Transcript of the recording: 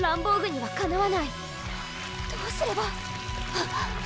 はっ！